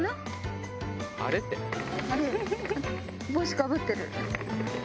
帽子かぶってる。